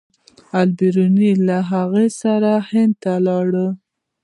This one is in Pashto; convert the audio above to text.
البیروني له هغه سره هند ته لاړ.